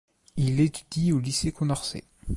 Il étudie au lycée Condorcet.